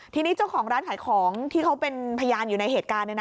ทีนี้เจ้าของร้านขายของที่เขาเป็นพยานอยู่ในเหตุการณ์